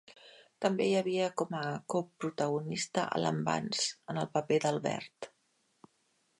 També hi havia com a coprotagonista Alan Bunce en el paper d'Albert.